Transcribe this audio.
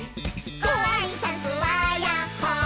「ごあいさつはやっほー☆」